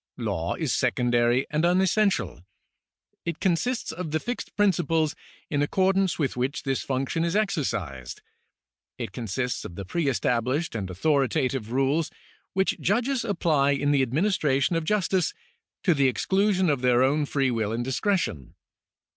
Law is secondary and unessential. It consists of the fixed principles in accordance with which this function is exercised. It consists of the pre established and authoritative rules which judges apply in the administration of justice, to the exclusion of their own free will and discretion.